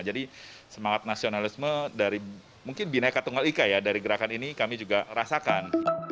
jadi semangat nasionalisme dari mungkin binaikat tunggal ika ya dari gerakan ini kami juga rasakan